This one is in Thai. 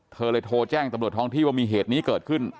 เธอเลยโทรแจ้งตำรวจท้องที่ว่ามีเหตุนี้เกิดขึ้น